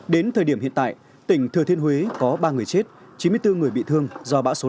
đến thời điểm hiện tại tỉnh thừa thiên huế có ba người chết chín mươi bốn người bị thương do bão số năm